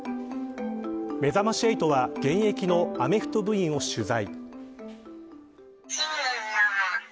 めざまし８は現役のアメフト部員を取材。